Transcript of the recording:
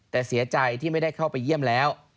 แต่เสียใจที่ไม่ได้เข้าไปเยี่ยมแล้ว